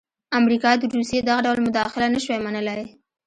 امریکا د روسیې دغه ډول مداخله نه شوای منلای.